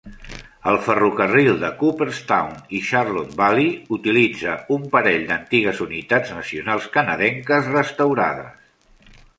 El ferrocarril de Cooperstown i Charlotte Valley utilitza un parell d'antigues unitats nacionals canadenques restaurades.